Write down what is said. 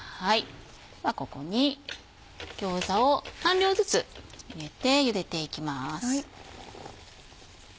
ではここに餃子を半量ずつ入れてゆでていきます。